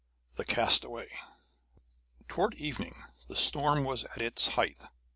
THE CASTAWAY Towards evening the storm was at its height.